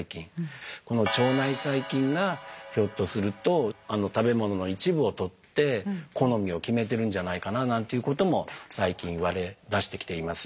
この腸内細菌がひょっとすると食べ物の一部をとって好みを決めてるんじゃないかななんていうことも最近言われだしてきています。